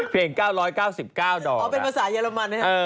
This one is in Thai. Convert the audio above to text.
๙๙ดอกอ๋อเป็นภาษาเยอรมันนะครับ